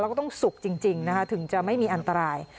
แล้วก็ต้องสุกจริงนะคะถึงจะไม่มีอันตราย